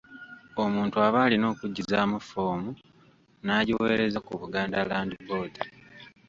Omuntu aba alina okujjuzaamu ffoomu n’agiwereza ku Buganda Land Board.